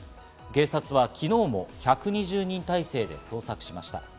警察は昨日も１２０人態勢で捜索しました。